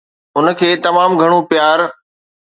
ان کي تمام گهڻو پيار